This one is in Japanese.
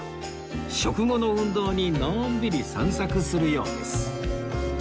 食後の運動にのんびり散策するようです